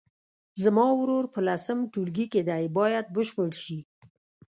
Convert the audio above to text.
زما ورور په لسم ټولګي کې دی باید بشپړ شي.